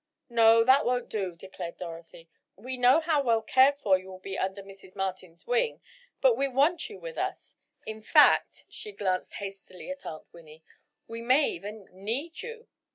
"No, that won't do," declared Dorothy, "we know how well cared for you will be under Mrs. Martin's wing, but we want you with us. In fact," she glanced hastily at Aunt Winnie, "we may even need you."